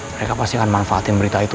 mereka pasti akan manfaatin berita itu